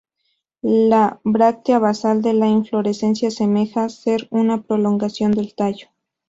La bráctea basal de la inflorescencia semeja ser una prolongación del tallo.